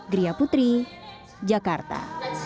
gria putri jakarta